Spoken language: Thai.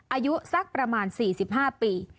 อายุสักประมาณ๔๕ปี